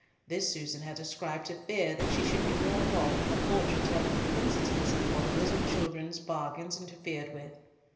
This Susan had ascribed to fear that she should be warned off for her fortune telling propensities, or the children's little bargains interfered with.